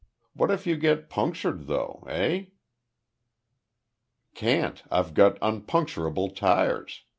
What if you get punctured, though? Eh?" "Can't. I've got unpuncturable tyres.